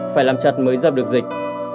phải làm chặt mới dạp được dịch